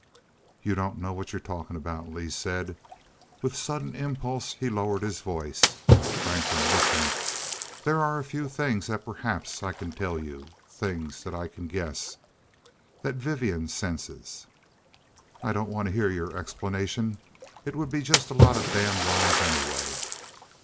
"You don't know what you're talking about," Lee said. With sudden impulse he lowered his voice. "Franklin, listen there are a few things that perhaps I can tell you. Things that I can guess that Vivian senses " "I don't want to hear your explanation. It would be just a lot of damn lies anyway."